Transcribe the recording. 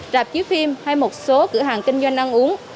rạp chiếu phim hay một số cửa hàng kinh doanh ăn uống